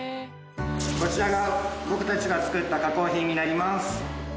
こちらが僕たちが作った加工品になります。